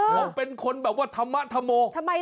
บอกว่าเป็นคนแบบว่าธรรมะธโม